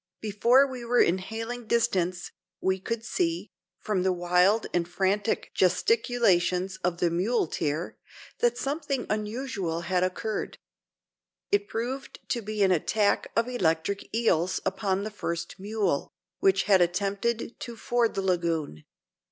Before we were in hailing distance, we could see, from the wild and frantic gesticulations of the muleteer, that something unusual had occurred. It proved to be an attack of electric eels upon the first mule, which had attempted to ford the lagoon.